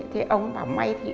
thế ông bảo may